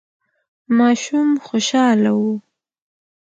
ماشوم خوشاله و.